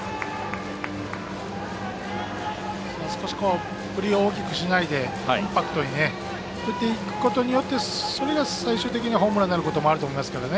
少し振りを大きくしないでコンパクトに振っていくことによってそれが、最終的にホームランになることもありますからね。